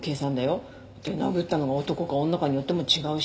殴ったのが男か女かによっても違うし。